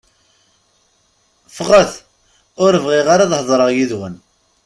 Ffɣet! Ur bɣiɣ ara ad heḍṛeɣ yid-wen!